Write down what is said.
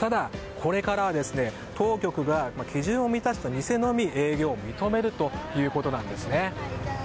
ただ、これからは当局が基準を満たした店のみ営業を認めるということなんですね。